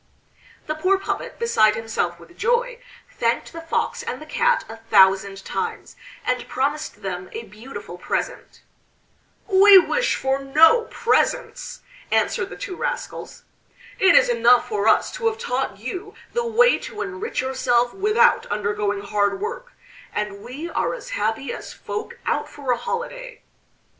The poor puppet, beside himself with joy, thanked the Fox and the Cat a thousand times, and promised them a beautiful present. "We wish for no presents," answered the two rascals. "It is enough for us to have taught you the way to enrich yourself without undergoing hard work, and we are as happy as folk out for a holiday."